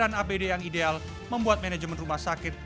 penggunaan apd yang ideal membuat manajemen rumah sakit